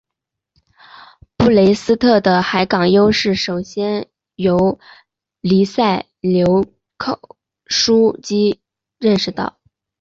布雷斯特的海港优势首先由黎塞留枢机认识到。